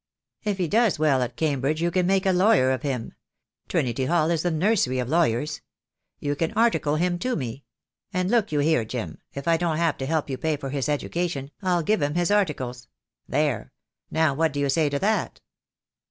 If he does well at Cambridge you can make a lawyer of him. Trinity Hall is the nursery of lawyers. You can article him to me; and look you here, Jim, if I 2 2 THE DAY WILL COME. don't have to help you pay for his education, I'll give him his articles. There, now, what do you say to that?"